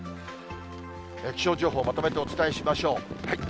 気象情報、まとめてお伝えしましょう。